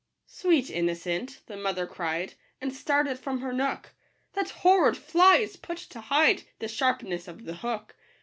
" Sweet innocent," the mother cried, And started from her nook, " That horrid fly is put to hide The sharpness of the hook."